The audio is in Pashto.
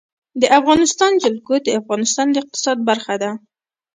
د افغانستان جلکو د افغانستان د اقتصاد برخه ده.